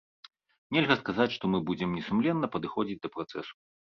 Нельга сказаць, што мы будзем несумленна падыходзіць да працэсу.